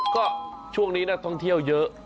ก็ช่วงนี้นักท่องเที่ยวเยอะ